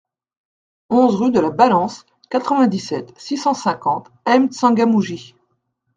onze rUE DE LA BALANCE, quatre-vingt-dix-sept, six cent cinquante, M'Tsangamouji